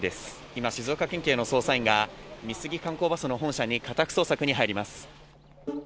今、静岡県警の捜査員が、美杉観光バスの本社に家宅捜索に入ります。